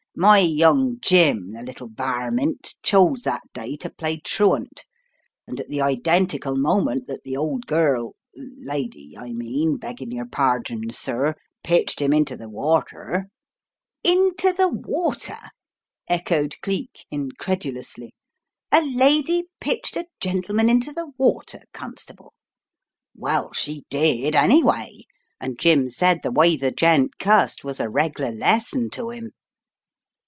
"My young Jim, the little varmint, chose that day to play truant, and at the identical moment that the old girl — lady, I mean, beggin' yer pardon, sir — pitched him into the water " "Into the water?" echoed Cleek incredulously. "A lady pitched a gentleman into the water, Con stable "" Well, she did, anyway, and Jim said the way the gent cussed was a reg'lar lesson to 'im."